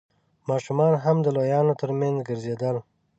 ماشومان هم د لويانو تر مينځ ګرځېدل.